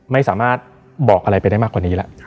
ไม่สามารถบอกอะไรไปได้มากกว่านี้แล้ว